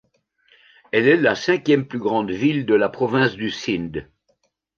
Elle est la cinquième plus grande ville de la province du Sind.